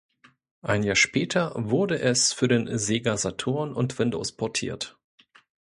Ein Jahr später wurde es für den Sega Saturn und Windows portiert.